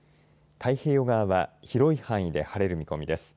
太平洋側は広い範囲で晴れる見込みです。